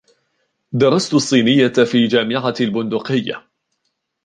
درستُ الصينية في جامعة البندقية.